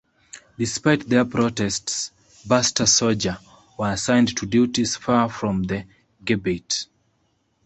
Despite their protests, Baster soldiers were assigned to duties far from the Gebeit.